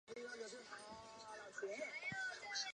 建筑两端的正面都用壮丽的带栏杆的门廊装饰。